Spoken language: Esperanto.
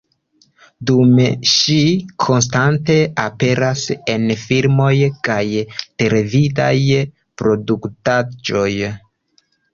Dume ŝi konstante aperas en filmoj kaj televidaj produktaĵoj.